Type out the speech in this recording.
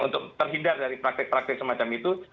untuk terhindar dari praktik praktik semacam itu